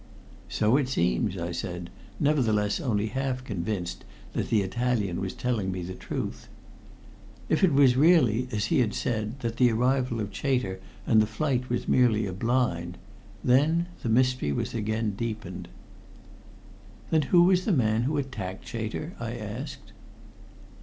"So it seems," I said, nevertheless only half convinced that the Italian was telling me the truth. If it was really, as he had said, that the arrival of Chater and the flight was merely a "blind," then the mystery was again deepened. "Then who was the man who attacked Chater?" I asked.